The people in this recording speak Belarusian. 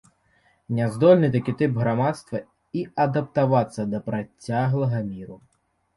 Няздольны такі тып грамадства і адаптавацца да працяглага міру.